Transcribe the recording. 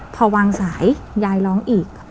พอวางสายยายร้องอีก